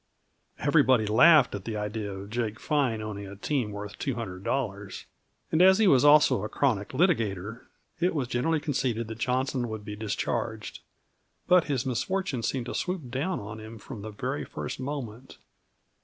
Everybody laughed at the idea of Jake Feinn owning a team worth $200, and, as he was also a chronic litigator, it was generally conceded that Johnson would be discharged. But his misfortunes seemed to swoop down on him from the very first moment.